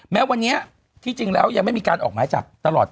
แม้วันนี้ที่จริงแล้วยังไม่มีการออกหมายจับตลอด